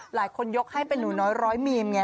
ยกให้เป็นหนูน้อยร้อยมีมไง